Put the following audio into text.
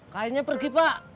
kayaknya pergi pak